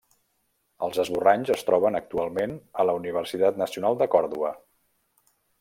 Els esborranys es troben actualment a la Universitat Nacional de Còrdova.